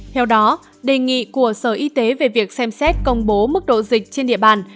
theo đó đề nghị của sở y tế về việc xem xét công bố mức độ dịch trên địa bàn